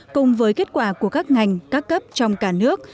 cùng với kết quả của các ngành các cấp trong cả nước